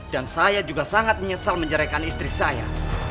dan saya juga sangat menyesal menceraikan istri saya